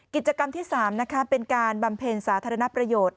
กิจกรรมที่๓เป็นการบำเพ็ญสาธารณประโยชน์